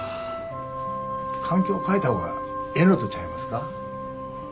環境変えた方がええのとちゃいますか？